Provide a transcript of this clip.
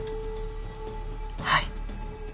はい。